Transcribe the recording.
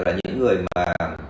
là những người mà